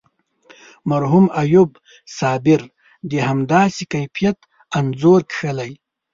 مرحوم ایوب صابر د همداسې کیفیت انځور کښلی.